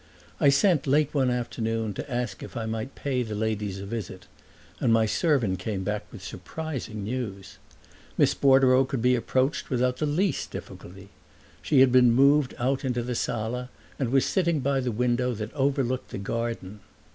I sent late one afternoon to ask if I might pay the ladies a visit, and my servant came back with surprising news. Miss Bordereau could be approached without the least difficulty; she had been moved out into the sala and was sitting by the window that overlooked the garden.